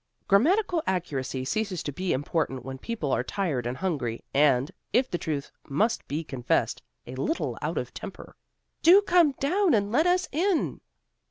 Grammatical accuracy ceases to be important when people are tired and hungry, and, if the truth must be confessed, a little out of temper. "Do come down, and let us in."